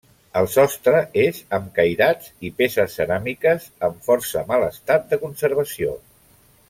El sostre és amb cairats i peces ceràmiques, en força mal estat de conservació.